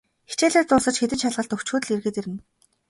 Хичээлээ дуусаж, хэдэн шалгалт өгчхөөд л эргээд ирнэ.